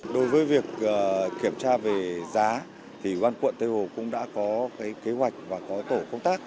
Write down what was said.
đối với việc kiểm tra về giá thì ủy ban quận tây hồ cũng đã có kế hoạch và có tổ công tác